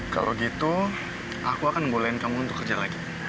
kalau gitu aku akan membolehin kamu untuk kerja lagi